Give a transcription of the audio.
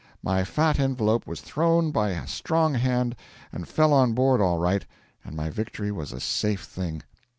My fat envelope was thrown by a strong hand, and fell on board all right, and my victory was a safe thing.